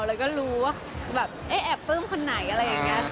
แล้วก็รู้ว่าแบบเอ๊ะแอบปลื้มคนไหนอะไรอย่างนี้